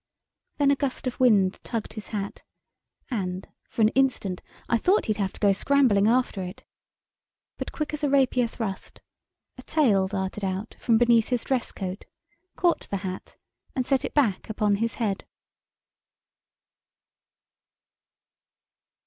Then a gust of wind tugged his hat, and, for an instant I thought he'd have to go scrambling after it. But, quick as a rapier thrust, a tail darted out from beneath his dress coat, caught the hat, and set it back upon his head.